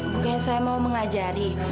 bukannya saya mau mengajari